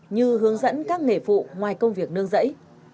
như hướng dẫn các nghề phụ ngoài công việc nương dẫy